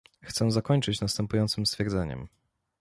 Chcę zakończyć następującym stwierdzeniem